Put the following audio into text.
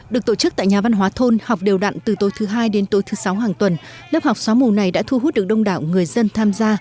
được tổ chức tại nhà văn hóa thôn học đều đặn từ tối thứ hai đến tối thứ sáu hàng tuần lớp học xóa mù này đã thu hút được đông đảo người dân tham gia